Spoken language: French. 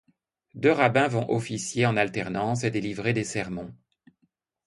Deux rabbins vont officier en alternance et délivrer des sermons.